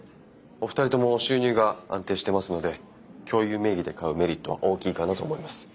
お二人とも収入が安定してますので共有名義で買うメリットは大きいかなと思います。